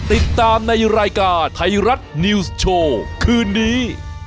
ติดตามในรายการไทยรัฐนิวส์โชว์คืนนี้